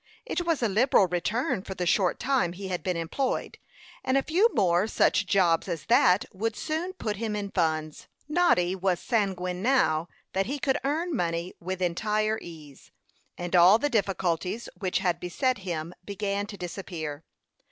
It was a liberal return for the short time he had been employed, and a few more such jobs as that would soon put him in funds. Noddy was sanguine now that he could earn money with entire ease, and all the difficulties which had beset him began to disappear.